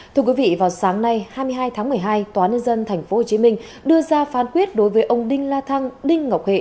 thưa quý vị vào sáng nay hai mươi hai tháng một mươi hai tòa nhân dân tp hcm đưa ra phán quyết đối với ông đinh la thăng đinh ngọc hệ